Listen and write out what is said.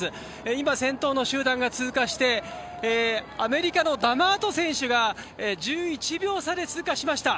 今、先頭の集団が通過してアメリカのダマート選手が１１秒差で通過しました。